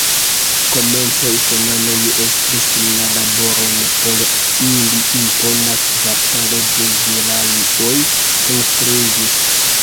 Komence usonanoj estris la laboron, por ili impona kvartalo de vilaoj konstruiĝis.